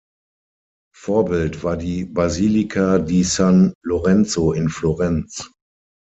Vorbild war die Basilica di San Lorenzo in Florenz.